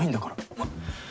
お前。